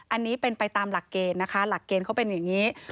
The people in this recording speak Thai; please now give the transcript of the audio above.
อันนี้เป็นไปตามหลักเกณฑ์นะคะหลักเกณฑ์เขาเป็นอย่างนี้